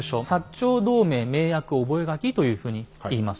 「長同盟盟約覚書」というふうに言います。